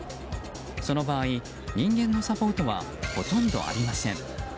その場合、人間のサポートはほとんどありません。